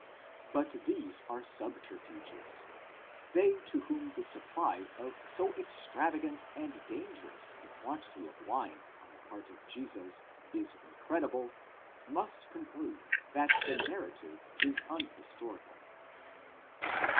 But these are subterfuges ; they to whom the supply of so extravagant and dangerous a quantity of wine on the part of Jesus is in credible, must conclude that the narrative is unhistorical.